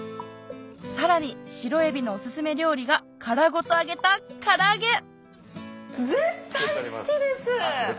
さらに白えびのオススメ料理が殻ごと揚げた唐揚げ絶対好きです！